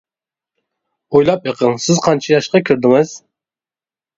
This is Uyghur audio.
ئويلاپ بېقىڭ سىز قانچە ياشقا كىردىڭىز؟ !